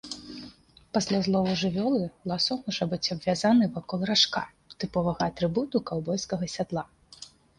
Пасля злову жывёлы ласо можа быць абвязаны вакол ражка, тыповага атрыбуту каўбойскага сядла.